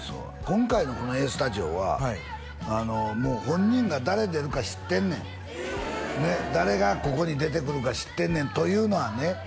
今回のこの「ＡＳＴＵＤＩＯ＋」はもう本人が誰出るか知ってんねん誰がここに出てくるか知ってんねんというのはね